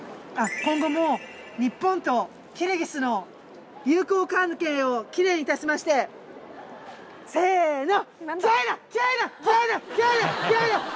今後も日本とキルギスの友好関係を祈念しましてせの。